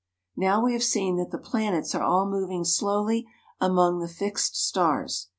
Now we have seen that the planets are all moving slowly among the fixed stars.